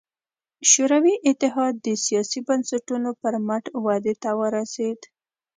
شوروي اتحاد د سیاسي بنسټونو پر مټ ودې ته ورسېد.